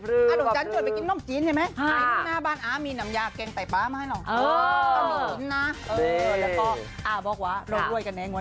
แล้วควรรอร่วยกันแหลงวันนี้น้องเอ้อรอร่วยรอร่วยนะคะ